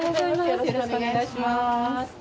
よろしくお願いします。